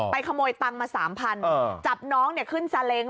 ไปขโมยตังมาสามพันธุ์จับน้องเนี่ยขึ้นซาเล้ง